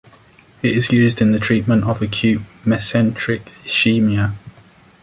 It is used in the treatment of acute mesenteric ischemia.